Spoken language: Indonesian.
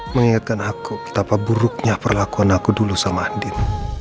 mengingatkan aku betapa buruknya perlakuan aku dulu sama andin